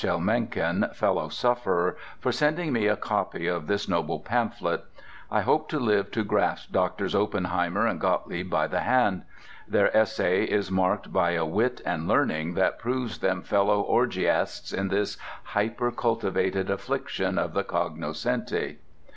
L. Mencken, fellow sufferer, for sending me a copy of this noble pamphlet. I hope to live to grasp Drs. Oppenheimer and Gottlieb by the hand. Their essay is marked by a wit and learning that proves them fellow orgiasts in this hypercultivated affliction of the cognoscenti.)